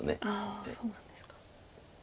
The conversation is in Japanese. そうなんですか。